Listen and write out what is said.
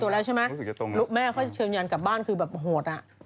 ตรวจแล้วใช่ไหมลูกแม่เขาเชิญกันกลับบ้านคือแบบโหด